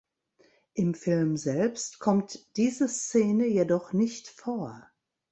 Im Film selbst kommt diese Szene jedoch nicht vor.